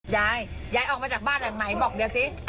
ยายยายออกมาจากบ้านหลังไหนบอกเดี๋ยวสิ